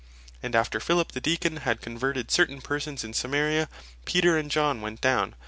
And after Philip the Deacon had converted certain persons in Samaria, Peter and John went down (Act.